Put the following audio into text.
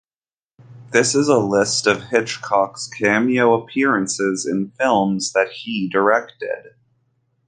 This is a list of Hitchcock's cameo appearances in films that he directed.